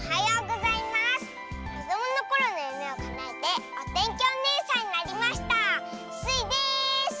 こどものころのゆめをかなえておてんきおねえさんになりましたスイです！